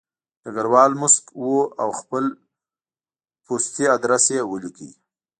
ډګروال موسک و او خپل پستي ادرس یې ولیکه